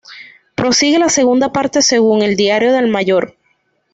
Prosigue la segunda parte según el diario del Mayor.